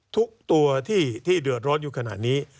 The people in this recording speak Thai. ทุกตัวที่เดือดร้อนอยู่ขนาดนี้